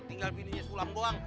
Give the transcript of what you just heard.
tinggal pindahnya sulam doang